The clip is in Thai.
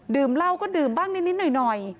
เหล้าก็ดื่มบ้างนิดหน่อย